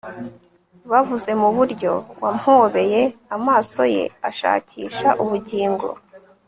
bavuzwe muburyo yampobeye, amaso ye ashakisha ubugingo